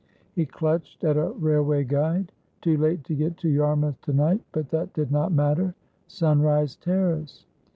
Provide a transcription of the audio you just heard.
He clutched at a railway guide. Too late to get to Yarmouth to night, but that did not matter. "Sunrise Terrace!"